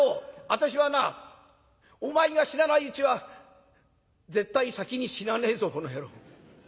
私はなお前が死なないうちは絶対先に死なねえぞこの野郎。